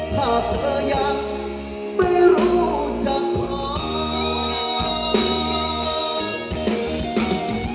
ถ้าเธอยังไม่รู้จังหวัง